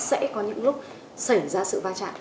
sẽ có những lúc xảy ra sự va chạm